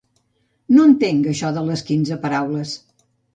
No entenc això de les quinze paraules.